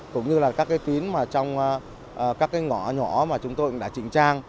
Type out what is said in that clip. cũng như là các cái tín mà trong các cái ngõ nhỏ mà chúng tôi đã trịnh trang